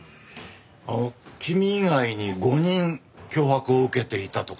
あの君以外に５人脅迫を受けていたとか？